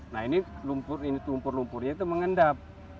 nah ini lumpur lumpurnya itu mengendap